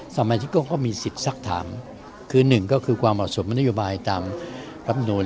สมาชิกก็มีสิทธิ์สักถามคือหนึ่งก็คือความเหมาะสมนโยบายตามรับนูล